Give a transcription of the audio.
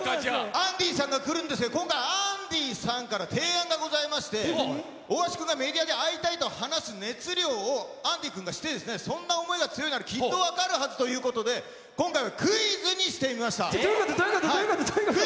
アンディーさんが来るんですけど、今回、アンディーさんから提案がございまして、大橋君がメディアで会いたいという熱量をアンディー君が知って、そんな思いが強いならきっと分かるはずということで、今回はクイどういうこと？